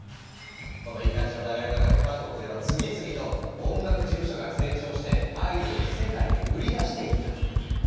このいい感じの流れの中で韓国では次々と音楽事務所が成長してアイドルを世界へ売り出していった。